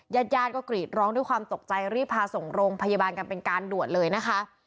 ญาติญาติก็กรีดร้องด้วยความตกใจรีบพาส่งโรงพยาบาลกันเป็นการด่วนเลยนะคะ